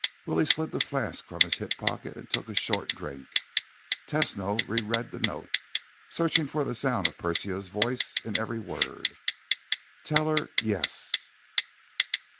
Willie slid the flask from his hip pocket and took a short drink. Tesno re read the note, searching for the sound of Persia's voice in every word. "Tell her yes."